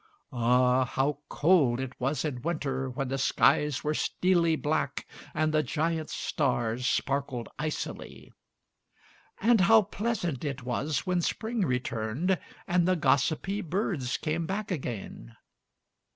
Ah, how cold it was in winter when the skies were steely black and the giant stars sparkled icily! And how pleasant it was when spring returned, and the gossipy birds came back again!